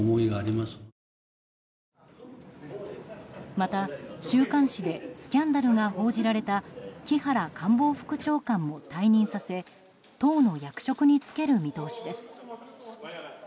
また、週刊誌でスキャンダルが報じられた木原官房副長官も退任させ党の役職に就ける見通しです。